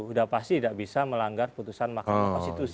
sudah pasti tidak bisa melanggar putusan makam konstitusi